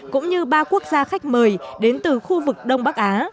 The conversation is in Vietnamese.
cũng như ba quốc gia khách mời đến từ khu vực đông bắc á